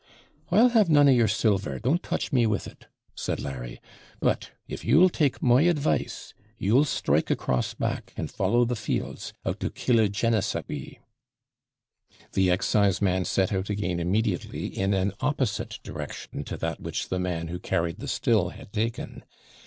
'I'll have none a' your silver! don't touch me with it!' said Larry. 'But, if you'll take my advice, you'll strike across back, and follow the fields, out to Killogenesawee.' The exciseman set out again immediately, in an opposite direction to that which the man who carried the still had taken.